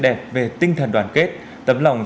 đẹp về tinh thần đoàn kết tấm lòng